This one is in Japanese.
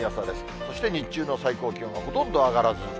そして、日中の最高気温はほとんど上がらず。